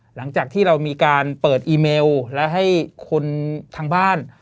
หลังจากที่เรามีการเปิดอีเมลและให้คนทางบ้าน